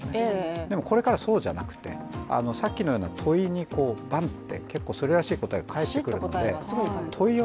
でもこれからそうじゃなくて、さっきのような問いにばんって結構、それらしい答えが返ってくるので。